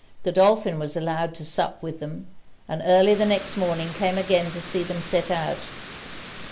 Godolphin was allowed to sup with them; and early the next morning came again to see them set out.